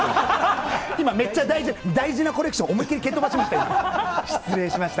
今、めっちゃ大事なコレクション、思い切りけとばしました。